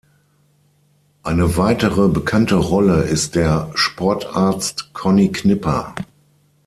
Eine weitere bekannte Rolle ist der "Sportarzt Conny Knipper".